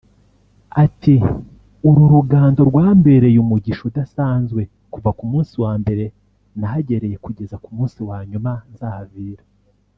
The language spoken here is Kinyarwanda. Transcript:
Ati “Uru rugando rwambereye umugisha udasanzwe kuva ku munsi wa mbere nahagereye kugeza ku munsi wa nyuma nzahavira